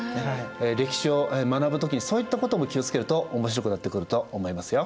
歴史を学ぶ時にそういったことも気をつけると面白くなってくると思いますよ。